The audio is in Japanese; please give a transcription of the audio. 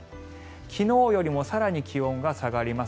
昨日よりも更に気温が下がります。